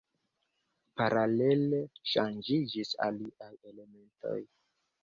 Paralele ŝanĝiĝis aliaj elementoj.